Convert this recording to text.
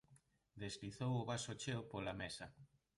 Deslizou o vaso cheo pola mesa.